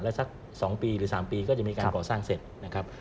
แล้วสัก๒ปีหรือ๓ปีก็จะมีการก่อสร้างเสร็จนะครับ